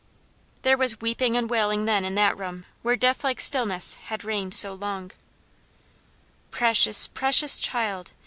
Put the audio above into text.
There was weeping and wailing then in that room, where death like stillness had reigned so long. "Precious, precious child!